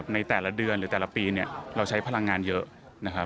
ในแต่ละเดือนหรือแต่ละปีเราใช้พลังงานเยอะ